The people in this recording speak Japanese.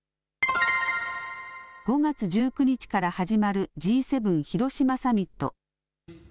５月１９日から始まるＧ７広島サミット。